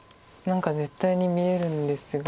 何か絶対に見えるんですが。